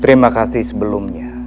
terima kasih sebelumnya